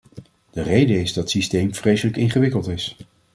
De reden is dat systeem vreselijk ingewikkeld is.